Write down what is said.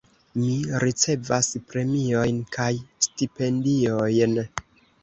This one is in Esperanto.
Mi ricevas premiojn kaj stipendiojn.